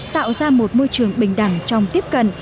tạo ra một môi trường bình đẳng trong tiếp cận